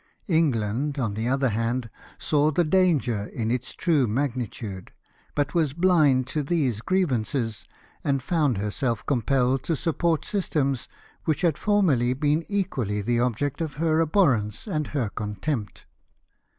England, on the other hand, saw the danger in its true magni tude, but Avas blind to these grievances, and found herself compelled to support systems which had formerly been equally the object of her abhorrence and her contempt.